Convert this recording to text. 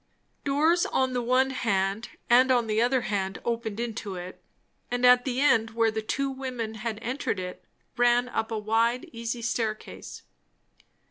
Doors on the one hand and on the other hand opened into it, and at the end where the two women had entered it, ran up a wide easy staircase.